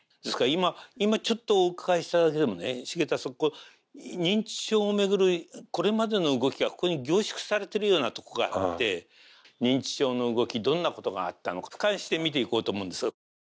ですから今ちょっとお伺いしただけでもね繁田さん認知症を巡るこれまでの動きがここに凝縮されてるようなとこがあって認知症の動きどんなことがあったのかふかんして見ていこうと思うんです。